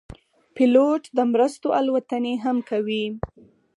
پیلوټ د مرستو الوتنې هم کوي.